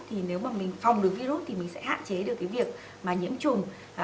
thì nếu mà mình phòng được virus thì mình sẽ hạn chế được cái việc mà nhiễm trùng